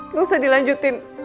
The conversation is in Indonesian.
gak usah dilanjutin